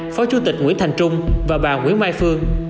phó chủ tịch nguyễn thành trung và bà nguyễn mai phương